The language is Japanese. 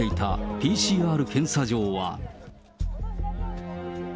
ＰＣＲ検査場は。